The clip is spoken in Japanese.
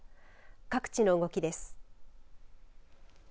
各地の動きです。